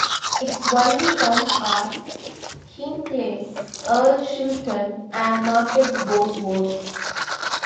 Its only towns are Hinckley, Earl Shilton and Market Bosworth.